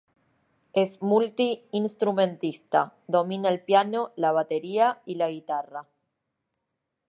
Es multi-instrumentista, domina el piano, la batería y la guitarra.